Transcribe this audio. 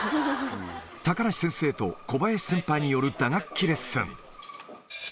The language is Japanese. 高梨先生と小林先輩による打楽器レッスン。